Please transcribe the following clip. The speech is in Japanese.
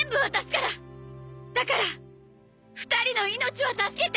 だから２人の命は助けて！